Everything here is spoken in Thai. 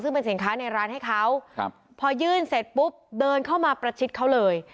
ซึ่งเป็นสินค้าในร้านให้เขาครับพอยื่นเสร็จปุ๊บเดินเข้ามาประชิดเขาเลย